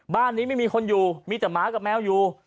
บ้านนี้ไม่มีคนอยู่มีแต่หมากับแมวอยู่